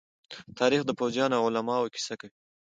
تاریخ د پوځيانو او علماءو کيسه کوي.